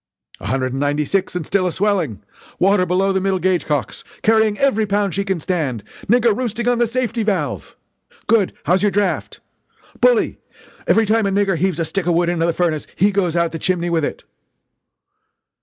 "A hundred and ninety six and still a swelling! water, below the middle gauge cocks! carrying every pound she can stand! nigger roosting on the safety valve!" "Good! How's your draft?" "Bully! Every time a nigger heaves a stick of wood into the furnace he goes out the chimney, with it!"